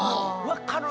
分かる。